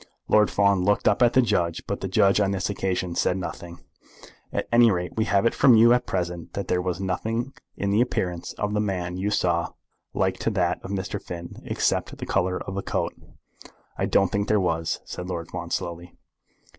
Lord Fawn looked up at the judge, but the judge on this occasion said nothing. "At any rate we have it from you at present that there was nothing in the appearance of the man you saw like to that of Mr. Finn except the colour of the coat." "I don't think there was," said Lord Fawn, slowly.